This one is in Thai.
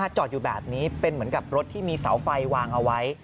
จอดอยู่แบบนี้เป็นเหมือนกับรถที่มีเสาไฟวางเอาไว้